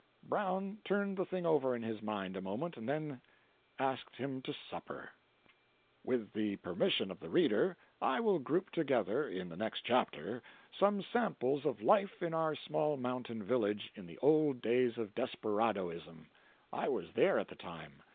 Brown turned the thing over in his mind a moment, and then—asked him to supper. 346.jpg (73K) With the permission of the reader, I will group together, in the next chapter, some samples of life in our small mountain village in the old days of desperadoism. I was there at the time.